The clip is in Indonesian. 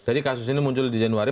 jadi kasus ini muncul di januari